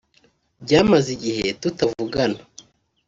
Byamaze igihe tutavugana